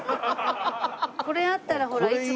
これあったらほらいつも。